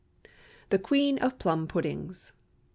THE QUEEN OF PLUM PUDDINGS.